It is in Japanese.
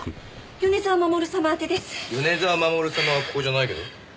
米沢守様はここじゃないけど？